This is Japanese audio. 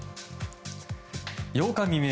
８日未明